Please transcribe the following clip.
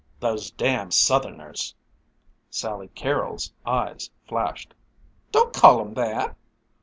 "Those damn Southerners!" Sally Carrol's eyes flashed. "Don't call 'em that."